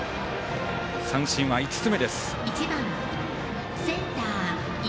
三振は５つ目です。